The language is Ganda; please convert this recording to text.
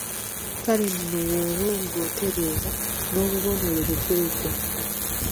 "Kale nno bw’oba ng’otereeza, n’obubonero bufeeko."